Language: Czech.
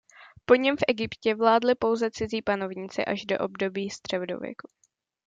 Po něm v Egyptě vládli pouze cizí panovníci až do období středověku.